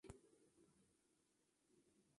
Campos de maíz, terrenos baldíos.